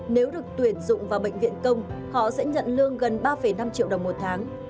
nếu được tuyển dụng vào bệnh viện công họ sẽ nhận lương gần ba năm triệu đồng một tháng